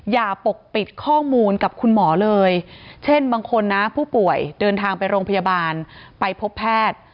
อย่าปกปิดข้อมูลกับคุณหมอเลยเช่นบางคนนะผู้ป่วยเดินทางไปโรงพยาบาลไปพบแพทย์